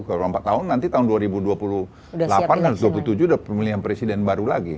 kalau empat tahun nanti tahun dua ribu dua puluh delapan dan dua puluh tujuh udah pemilihan presiden baru lagi